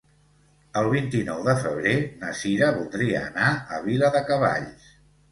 El vint-i-nou de febrer na Sira voldria anar a Viladecavalls.